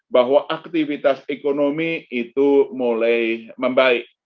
bahwa aktivitas ekonomi itu mulai membaik